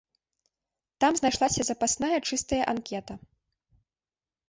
Там знайшлася запасная чыстая анкета.